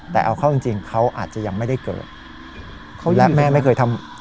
แต่เอาเข้าจริงจริงเขาอาจจะยังไม่ได้เกิดและแม่ไม่เคยทำ